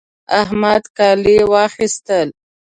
احمد کالي واخيستل